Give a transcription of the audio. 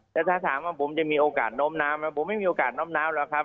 แต่ถ้าถามว่าผมจะมีโอกาสน้มน้ำไหมผมไม่มีโอกาสน้อมน้าวหรอกครับ